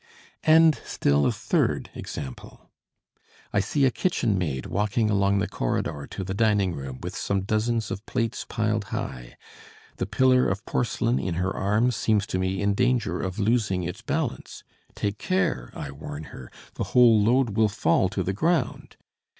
"And still a third example. I see a kitchen maid walking along the corridor to the dining room with some dozens of plates piled high. The pillar of porcelain in her arms seems to me in danger of losing its balance. 'Take care!' I warn her. 'The whole load will fall to the ground.'